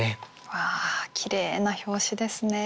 わあきれいな表紙ですね。